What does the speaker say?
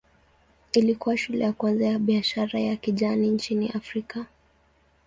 Ilikuwa shule ya kwanza ya biashara ya kijani nchini Afrika.